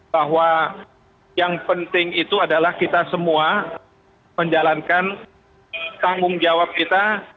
bahwa yang penting itu adalah kita semua menjalankan tanggung jawab kita